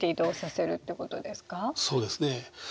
そうですね。